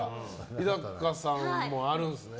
日高さんもあるんですね。